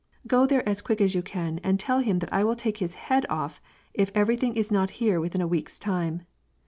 Go there as quick as you can and tell him that I will take his Iiead off, if everything is not here within a week's time.